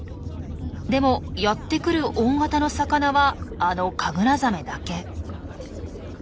でもやってくる大型の魚はあのカグラザメだけ。